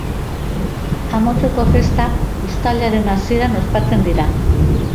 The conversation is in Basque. Amotzeko festak uztailaren hasieran ospatzen dira.